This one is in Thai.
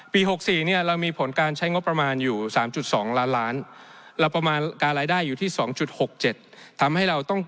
ปี๖๔เรามีผลการใช้งบประมาณอยู่๓๒ล้านล้าน